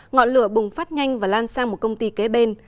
ngọn lửa bùng phát nhanh và lan sang một công ty kế bên